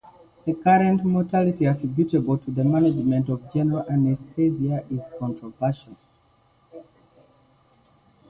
The current mortality attributable to the management of general anesthesia is controversial.